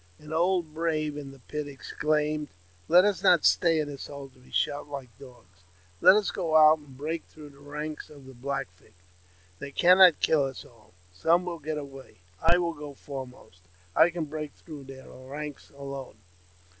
An old brave in the pit exclaimed, " Let us not stay in hole to be shot like dogs ; let us go out and break through the ranks of the Black Feet. They cannot kill us all ; some will get way. I will go foremost ; I can break through their ranks alone."